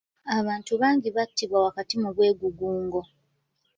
Abantu bangi battibwa wakati mu bwegugungo.